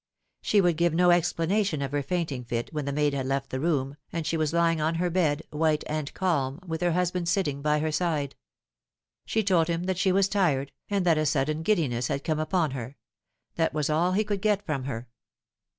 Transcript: She would give no explanation of her fainting fit when the maid had left the room, and she was lying on her bed, white and calm, with her husband sitting by her side. She told him that she was tired, and that a sudden giddiness had come upon her. That was all he could get from her.